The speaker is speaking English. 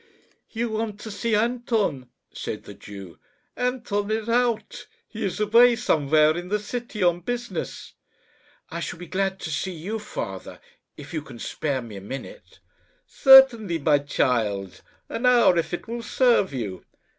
"You want to see Anton," said the Jew. "Anton is out. He is away somewhere in the city on business." "I shall be glad to see you, father, if you can spare me a minute." "Certainly, my child an hour if it will serve you.